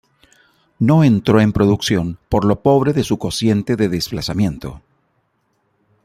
No entró en producción por lo pobre de su cociente de desplazamiento.